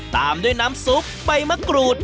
ตามด้วยน้ำซุปใบมะกรูด